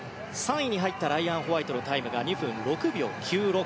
３位に入ったライアン・ホワイトのタイムが２分６秒９６。